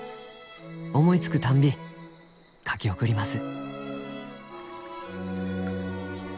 思いつくたんび書き送ります」。